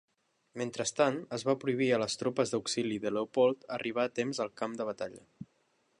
Mentrestant, es va prohibir a les tropes d'auxili de Leopold arribar a temps al camp de batalla.